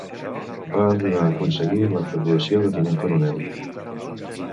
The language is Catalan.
Va arribar a aconseguir la graduació de tinent coronel.